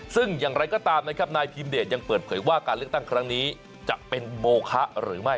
ซึ่งอย่างไรก็ตามนะครับนายพิมเดชยังเปิดเผยว่าการเลือกตั้งครั้งนี้จะเป็นโมคะหรือไม่